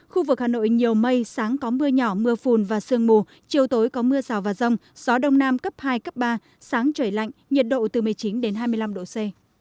khu vực hà nội nhiều mây sáng có mưa nhỏ mưa phùn và sương mù chiều tối có mưa rào và rông gió đông nam cấp hai cấp ba sáng trời lạnh nhiệt độ từ một mươi chín đến hai mươi năm độ c